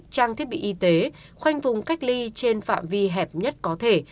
trang thiết bị y tế khoanh vùng cách ly trên phạm vi hẹp nhất có thể